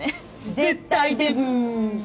絶対デブ！